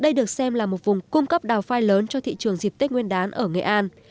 đây được xem là một vùng cung cấp đào phai lớn cho thị trường dịp tết nguyên đán ở nghệ an